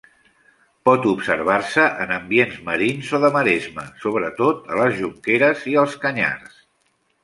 Pot observar-se en ambients marins o de maresma, sobretot a les jonqueres i als canyars.